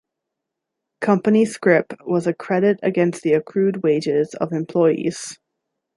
Company scrip was a credit against the accrued wages of employees.